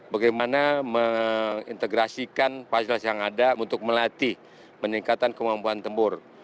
bagaimana mengintegrasikan fasilitas yang ada untuk melatih peningkatan kemampuan tempur